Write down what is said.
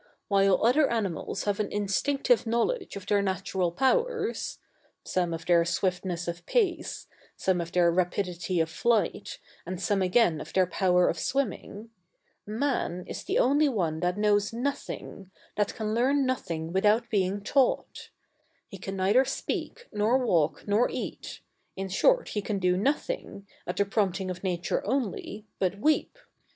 While other animals have an instinctive knowledge of their natural powers; some, of their swiftness of pace, some of their rapidity of flight, and some again of their power of swimming; man is the only one that knows nothing, that can learn nothing without being taught; he can neither speak, nor walk, nor eat—in short, he can do nothing, at the prompting of nature only, but weep.